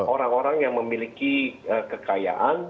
orang orang yang memiliki kekayaan